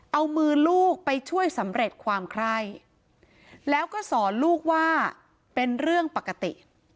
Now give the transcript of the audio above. เอามือลูกไปช่วยสำเร็จความไคร่แล้วก็สอนลูกว่าเป็นเรื่องปกติ